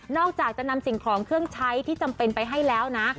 อกจากจะนำสิ่งของเครื่องใช้ที่จำเป็นไปให้แล้วนะ